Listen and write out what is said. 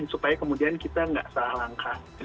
supaya kemudian kita nggak salah langkah